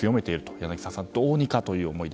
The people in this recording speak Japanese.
柳澤さん、どうにかという思い。